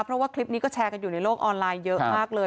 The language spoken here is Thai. เพราะว่าคลิปนี้ก็แชร์กันอยู่ในโลกออนไลน์เยอะมากเลย